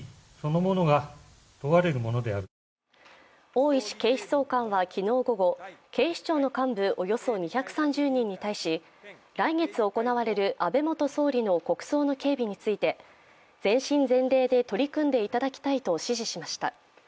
大石警視総監は昨日午後、警視庁の幹部およそ２３０人に対し来月行われる安倍元総理の国葬の警備について全身全霊で取り組んでいただきたいと指示しました。